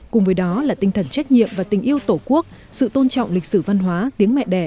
cùng với đó là tinh thần trách nhiệm và tình yêu tổ quốc sự tôn trọng lịch sử văn hóa tiếng mẹ đẻ